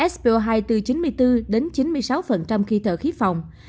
so hai từ chín mươi bốn đến chín mươi sáu khi thở khí phòng